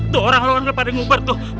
dorang lu kan daripada ngubur tuh